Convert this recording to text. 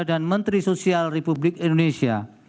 dan menteri sosial republik indonesia